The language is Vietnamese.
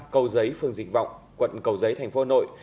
sáu mươi năm cầu giấy phường dịch vọng quận cầu giấy thành phố hà nội